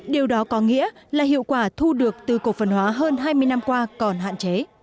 điều đó có nghĩa là hiệu quả thu được từ cổ phân hóa hơn hai mươi năm